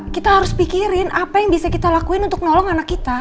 kita harus pikirin apa yang bisa kita lakuin untuk nolong anak kita